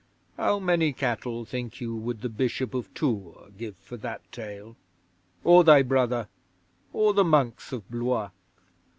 How many cattle, think you, would the Bishop of Tours give for that tale? Or thy brother? Or the Monks of Blois?